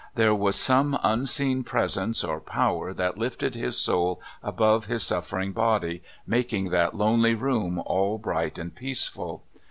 There was some unseen Presence or Power that lifted his soul above his suffering body, making that lonely room all bright and peaceful.